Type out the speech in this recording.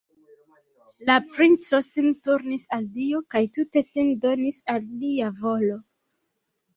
La princo sin turnis al Dio kaj tute sin donis al Lia volo.